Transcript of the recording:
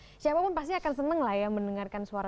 maksudnya siapapun pasti akan seneng lah ya mendengarkan suara